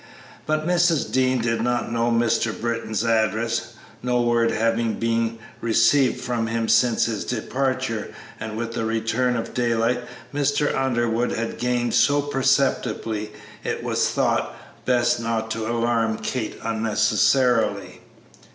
But Mrs. Dean did not know Mr. Britton's address, no word having been received from him since his departure, and with the return of daylight Mr. Underwood had gained so perceptibly it was thought best not to alarm Kate unnecessarily.